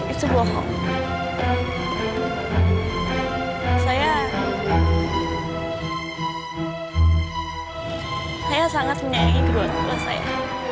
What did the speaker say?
itu bohong saya sangat menyayangi kedua orang tua saya